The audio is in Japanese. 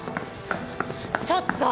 ちょっと！